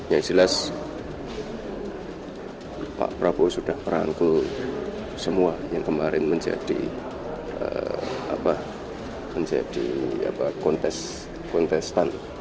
yang jelas pak prabowo sudah merangkul semua yang kemarin menjadi kontestan